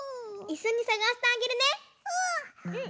いっしょにさがしてあげるね！